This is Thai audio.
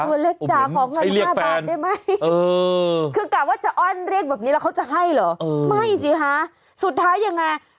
เล็กจ๋าขอเงิน๕บาทได้ไหมคือกะว่าจะอ้อนเรียกแบบนี้แล้วเขาจะให้เหรอไม่สิคะสุดท้ายยังไง